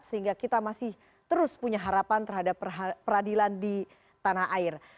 sehingga kita masih terus punya harapan terhadap peradilan di tanah air